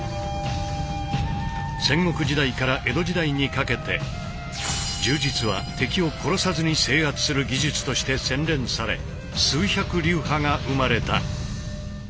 戦国時代から江戸時代にかけて柔術は敵を殺さずに制圧する技術として洗練され数百流派が生まれた。